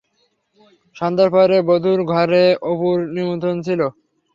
সন্ধার পরে বধূর ঘরে অপুর নিমন্ত্রণ ছিল।